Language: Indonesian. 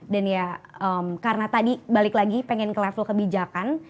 dan ya karena tadi balik lagi pengen ke level kebijakan